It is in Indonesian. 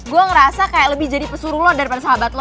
gue ngerasa kayak lebih jadi pesuruh lo daripada sahabat lo